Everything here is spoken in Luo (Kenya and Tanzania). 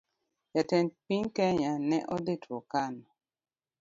Jatend piny kenya ne odhii Turkana